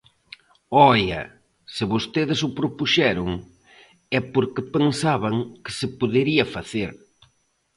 ¡Oia!, se vostedes o propuxeron, é porque pensaban que se podería facer.